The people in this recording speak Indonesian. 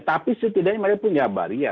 tapi setidaknya mereka punya baria